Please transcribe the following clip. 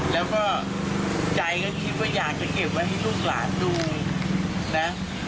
แล้วก็ใจก็คิดว่าอยากจะเก็บไว้ให้ลูกหลานดูนะ